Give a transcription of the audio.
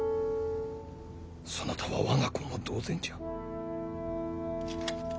そなたは我が子も同然じゃ。